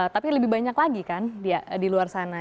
tapi lebih banyak lagi kan di luar sana